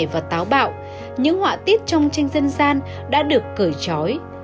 và táo bạo những họa tiết trong tranh dân gian đã được cởi trói